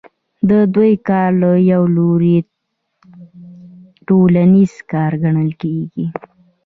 د دوی کار له یوه لوري ټولنیز کار ګڼل کېږي